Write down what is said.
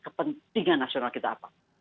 kepentingan nasional kita apa